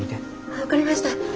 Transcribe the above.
分かりました。